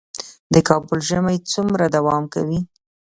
د کابل ژمی څومره دوام کوي؟